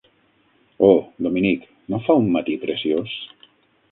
Oh, Dominic, no fa un matí preciós?